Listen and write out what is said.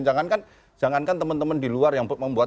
jangankan jangankan teman teman di luar yang membuat